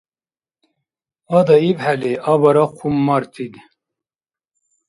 Ада ибхӀели абара хъуммартид.